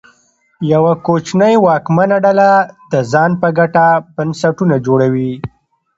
یوه کوچنۍ واکمنه ډله د ځان په ګټه بنسټونه جوړوي.